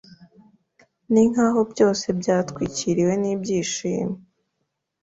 ni nk’aho byose byatwikiriwe n’ibyishimo